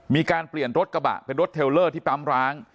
มีการเปลี่ยนรถกระบะเป็นรถเทลเลอร์ที่ปั๊มร้าง